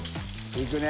いくね。